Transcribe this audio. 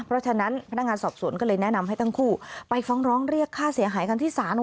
เพราะฉะนั้นพนักงานสอบสวนก็เลยแนะนำให้ทั้งคู่ไปฟ้องร้องเรียกค่าเสียหายครั้งที่๓